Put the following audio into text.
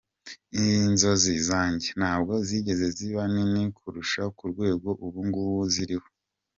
Inzozi zanjye ntabwo zigeze ziba nini kurusha ku rwego ubu ng’ubu ziriho.